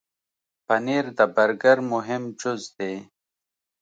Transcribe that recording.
پنېر د برګر مهم جز دی.